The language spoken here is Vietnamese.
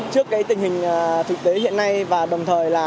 trước cái tình hình thực tế hiện nay và đồng thời là